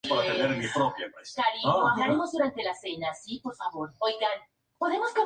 El monasterio de Krka es el centro espiritual ortodoxo más importante de Dalmacia.